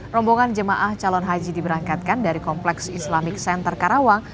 rombongan jemaah calon haji diberangkatkan dari kompleks islamic center karawang